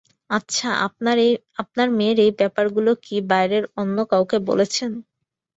আচ্ছা, আপনার মেয়ের এই ব্যাপারগুলি কি বাইরের অন্য কাউকে বলেছেন?